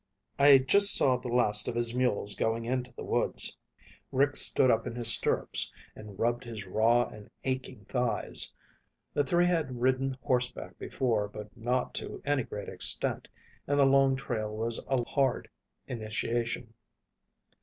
I just saw the last of his mules going into the woods." Rick stood up in his stirrups and rubbed his raw and aching thighs. The three had ridden horseback before, but not to any great extent, and the long trail was a hard initiation.